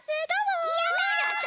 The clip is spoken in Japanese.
やった！